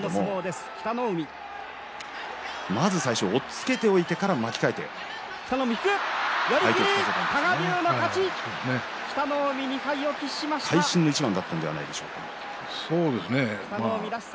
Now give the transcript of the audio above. まず最初、押っつけておいてから巻き替えて会心の一番だったんじゃないでしょうか。